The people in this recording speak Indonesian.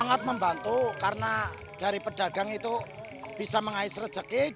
sangat membantu karena dari pedagang itu bisa mengais rejeki